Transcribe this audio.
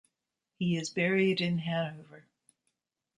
He is buried in Hanover.